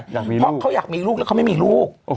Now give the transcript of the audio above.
เพราะเขาอยากมีลูกแล้วเขาไม่มีลูก